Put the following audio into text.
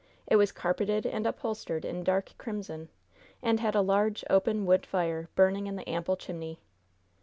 It was carpeted and upholstered in dark crimson, and had a large, open wood fire burning in the ample chimney.